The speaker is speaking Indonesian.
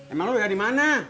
emang lu udah dimana